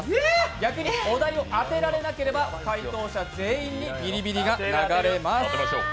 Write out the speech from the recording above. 逆にお題を当てられなければ解答者全員にビリビリが流れます。